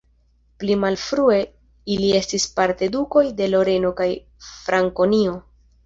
Pli malfrue ili estis parte dukoj de Loreno kaj Frankonio.